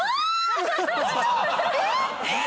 えっ！？